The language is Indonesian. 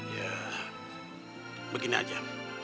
ya begini aja